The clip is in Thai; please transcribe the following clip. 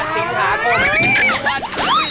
๑๘สิงหาคมคือวัน